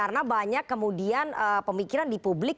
karena banyak kemudian pemikiran di publik